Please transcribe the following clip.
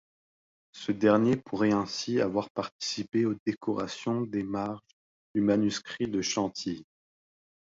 Ce dernier pourrait ainsi avoir participé aux décorations des marges du manuscrit de Chantilly.